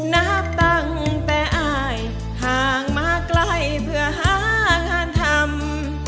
นับตั้งแต่อายห่างมาไกลเพื่อหางานทำ